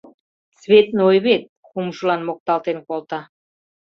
Цветной вет! — кумшылан мокталтен колта.